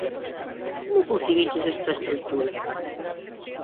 Como concibiches esta estrutura?